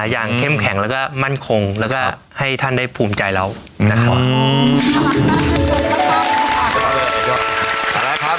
อย่างเข้มแข็งแล้วก็มั่นคงแล้วก็ให้ท่านได้ภูมิใจเรานะครับ